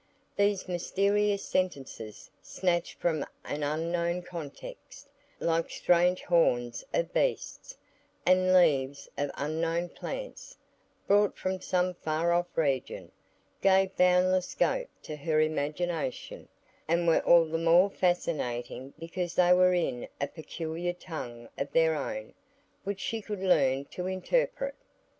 These mysterious sentences, snatched from an unknown context,—like strange horns of beasts, and leaves of unknown plants, brought from some far off region,—gave boundless scope to her imagination, and were all the more fascinating because they were in a peculiar tongue of their own, which she could learn to interpret.